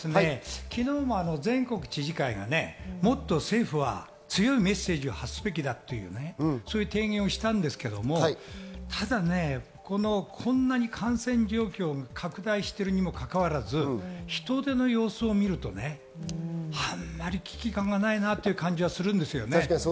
昨日も全国知事会がもっと政府が強いメッセージを発すべきだとそういう提言をしたんですが、ただ、こんなに感染状況が拡大しているにもかかわらず、人出の様子を見るとあんまり危機感がないなっていう感じがするんですね。